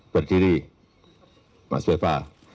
berdiri mas belva